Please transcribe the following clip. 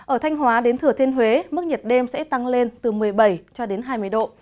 ở thanh hóa đến thừa thiên huế mức nhiệt đêm sẽ tăng lên từ một mươi bảy cho đến hai mươi độ